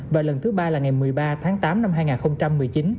và lần thứ ba là ngày một mươi ba tháng tám năm hai nghìn một mươi chín